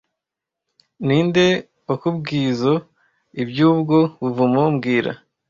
Ninde wakubwizoe iby'ubwo buvumo mbwira